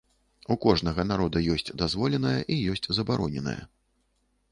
У кожнага народа ёсць дазволенае і ёсць забароненае.